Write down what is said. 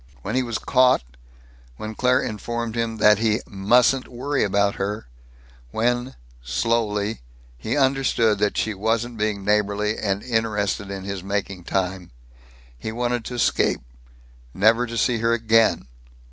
When he was caught, when Claire informed him that he "mustn't worry about her"; when, slowly, he understood that she wasn't being neighborly and interested in his making time, he wanted to escape, never to see her again.